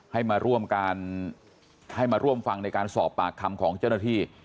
ให้มาร่วมกันให้มาร่วมฟังในการสอบปากคำของเจ้าหน้าที่